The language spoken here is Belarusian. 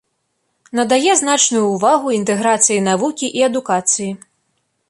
Надае значную ўвагу інтэграцыі навукі і адукацыі.